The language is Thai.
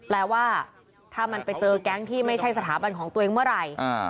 แปลว่าถ้ามันไปเจอแก๊งที่ไม่ใช่สถาบันของตัวเองเมื่อไหร่